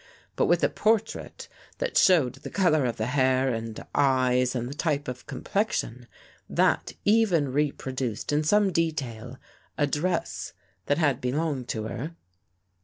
But, with a portrait that showed the color of the hair and eyes and the t5^e of complexion; that even reproduced, in some detail, a dress that had belonged to her